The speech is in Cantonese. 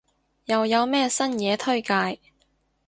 又有咩新嘢推介？